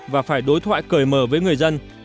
và phải đối thoại cởi mở với người dân